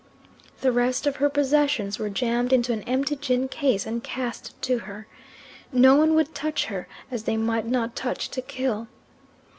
The rest of her possessions were jammed into an empty gin case and cast to her. No one would touch her, as they might not touch to kill.